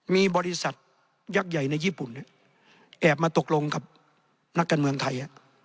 มีบริษัทยักษ์ใหญ่ในญี่ปุ่นแอบมาตกลงกับนักการเมืองไทย